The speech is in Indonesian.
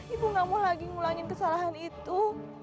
ibu gak mau lagi ngulangin kesalahan itu